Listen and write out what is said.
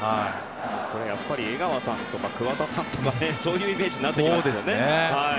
やっぱり江川さんとか桑田さんとかそういうイメージになってきますね。